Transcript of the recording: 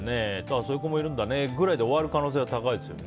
そういう子もいるんだねくらいで終わる可能性もありますよね。